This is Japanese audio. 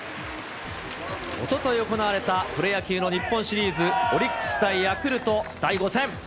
おととい行われたプロ野球の日本シリーズ、オリックス対ヤクルト第５戦。